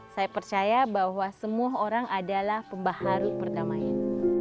saya percaya bahwa semua orang adalah pembaharu perdamaian